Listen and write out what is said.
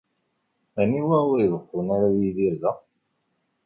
Aniwa ur ibeqqun ara ad yidir da?